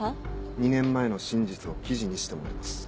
２年前の真実を記事にしてもらいます。